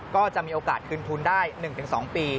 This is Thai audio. ก็จะมีโอกาสคืนทุนได้๑๒ปี